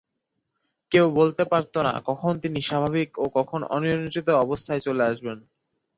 কেউ বলতে পারতো না কখন তিনি স্বাভাবিক ও কখন অনিয়ন্ত্রিত অবস্থায় চলে আসবেন।